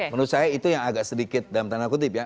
menurut saya itu yang agak sedikit dalam tanda kutip ya